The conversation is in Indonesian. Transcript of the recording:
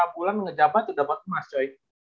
bulan ngedapat udah dapat emas coy